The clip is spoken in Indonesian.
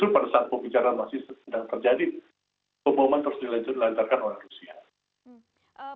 pemboman terus dilancarkan oleh rusia